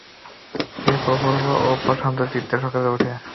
ফলে সে প্রফুল্ল ও প্রশান্ত চিত্তে সকালে ওঠে।